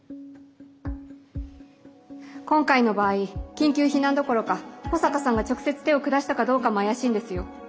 今回の場合緊急避難どころか保坂さんが直接手を下したかどうかも怪しいんですよ。